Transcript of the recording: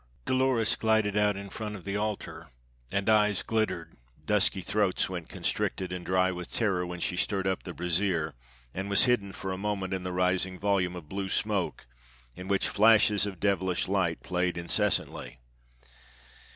Dolores glided out in front of the altar, and eyes glittered, dusky throats went constricted and dry with terror when she stirred up the brazier and was hidden for a moment in the rising volume of blue smoke in which flashes of devilish light played incessantly.